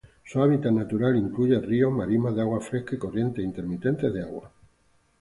Su hábitat natural incluye ríos, marismas de agua fresca y corrientes intermitentes de agua.